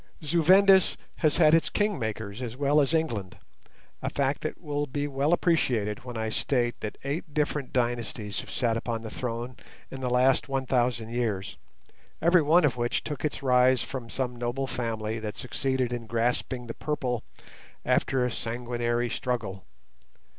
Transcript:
Zu Vendis has had its king makers as well as England, a fact that will be well appreciated when I state that eight different dynasties have sat upon the throne in the last one thousand years, every one of which took its rise from some noble family that succeeded in grasping the purple after a sanguinary struggle.